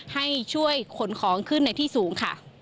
ให้ช่วยขนของขึ้นในที่สูงค่ะ